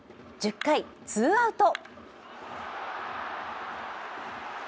１０回、ツーアウト。